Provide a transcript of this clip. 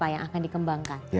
yang akan dikembangkan